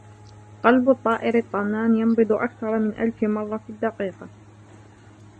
قلب الطائر الطنان ينبض أكثر من ألف مرة في الدقيقة.